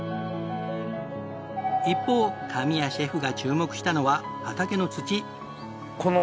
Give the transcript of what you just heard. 一方神谷シェフが注目したのは畑の土。